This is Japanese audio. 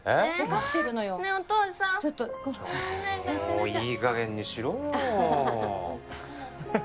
もういい加減にしろよ。